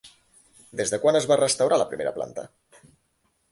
Des de quan es va restaurar la primera planta?